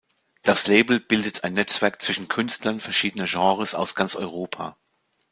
Das Label bildet ein Netzwerk zwischen Künstlern verschiedener Genres aus ganz Europa.